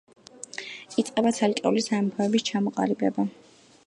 იწყება ცალკეული სამეფოების ჩამოყალიბება.